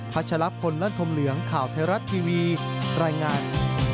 ชัชลพลลั่นธมเหลืองข่าวไทยรัฐทีวีรายงาน